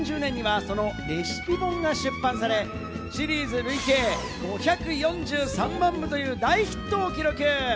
２０１０年にはそのレシピ本が出版され、シリーズ累計５４３万部という大ヒットを記録。